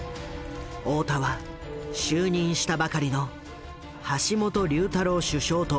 大田は就任したばかりの橋本龍太郎首相と面会。